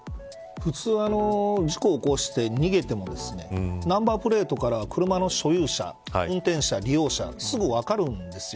普通は事故を起こして逃げてもナンバープレートから車の所有者運転者、利用者すぐ分かるんですよ。